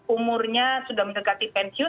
umurnya sudah menekati pensiun